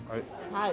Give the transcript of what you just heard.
はい。